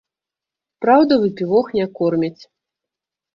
Праўда, выпівох не кормяць.